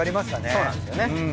そうなんですよね。